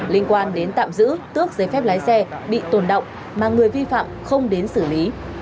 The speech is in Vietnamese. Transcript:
liên quan đến tạm giữ tước giấy phép lái xe bị tồn động mà người vi phạm không đến xử lý